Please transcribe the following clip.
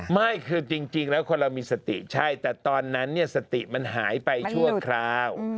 ไม่คือจริงแล้วคนเรามีสติใช่แต่ตอนนั้นสติมันหายไปชั่วคราว